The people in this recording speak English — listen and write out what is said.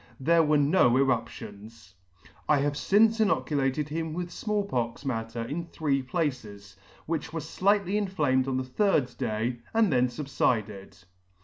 There were no eruptions. " I have fince inoculated him with Small pox matter in three places, which were flightly inflamed on the third day, and then fubfided.